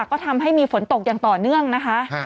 ก็ทำให้มีฝนตกอย่างต่อเนื่องนะคะ